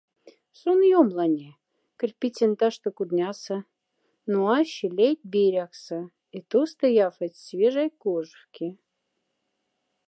Сон ёмланя, кирпицень ташта кудняса, но ащи ляйть берякса, и тоста яфодсь свежай кожфкя.